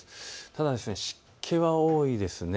ただ湿気は多いです。